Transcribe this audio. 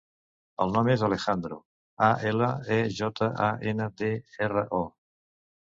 El nom és Alejandro: a, ela, e, jota, a, ena, de, erra, o.